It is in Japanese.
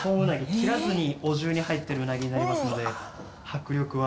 切らずにお重に入ってるウナギになりますので迫力は。